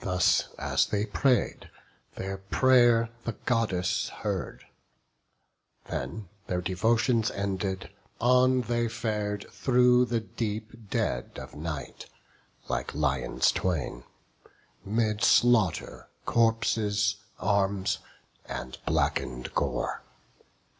Thus as they pray'd, their pray'r the Goddess heard; Then, their devotions ended, on they far'd Through the deep dead of night, like lions twain, 'Mid slaughter, corpses, arms, and blacken'd gore.